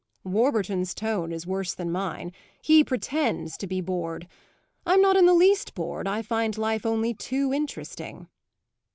"Warburton's tone is worse than mine; he pretends to be bored. I'm not in the least bored; I find life only too interesting."